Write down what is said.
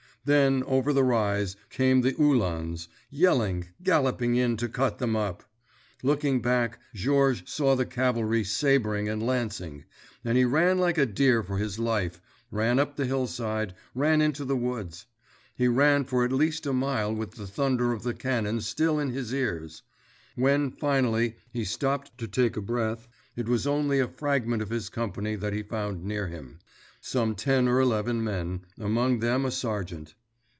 Then, over the rise, came the uhlans, yelling, galloping in to cut them up. Looking back, Georges saw the cavalry sabering and lancing, and he ran like a deer for his life, ran up the hillside, ran into the woods. He ran for at least a mile with the thunder of the cannon still in his ears. When, finally, he stopped to take breath, it was only a fragment of his company that he found near him—some ten or eleven men, among them a sergeant.